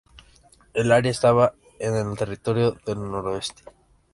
El área estaba en los Territorios del Noroeste.